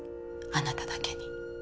あなただけに。